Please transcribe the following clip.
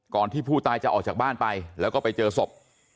ที่ผู้ตายจะออกจากบ้านไปแล้วก็ไปเจอศพ